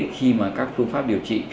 khi các phương pháp điều trị